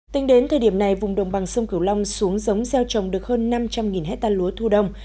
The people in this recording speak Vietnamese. tính đến thời điểm này vùng đồng bằng sông cửu long xuống giống gieo trồng được hơn năm trăm linh hectare lúa thu đông